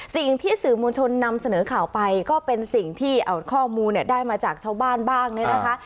สิ่งที่สื่อมวลชนนำเสนอข่าวไปก็เป็นสิ่งที่ข้อมูลเนี่ยได้มาจากชาวบ้านบ้างเนี่ยนะคะ